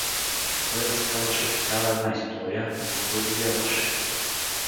— Той разказваше такава една история, но кой го вярваше?